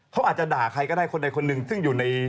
เขาอาจจะด่าใครก็ได้คนใดคนหนึ่งซึ่งอยู่ใน